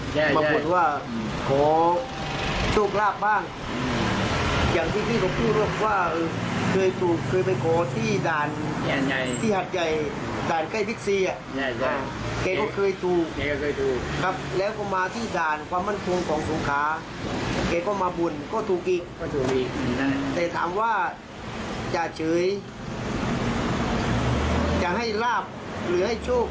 จ่าเฉยจะให้ราบหรือให้โชค